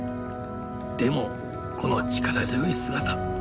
でもこの力強い姿！